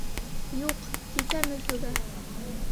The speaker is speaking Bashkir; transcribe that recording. Юҡ, китәм Өфөгә.